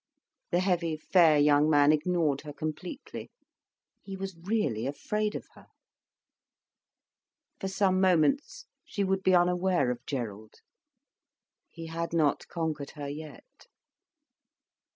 The heavy, fair young man ignored her completely; he was really afraid of her. For some moments she would be unaware of Gerald. He had not conquered her yet.